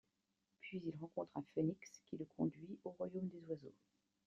Puis il rencontre un phénix, qui le conduit au royaume des oiseaux.